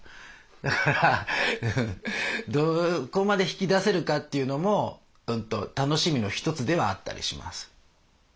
だからどこまで引き出せるかっていうのも楽しみの一つではあったりします。